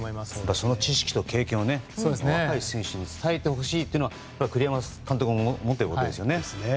その知識と経験を若い選手に伝えてほしいというのは栗山監督も思ってることですよね。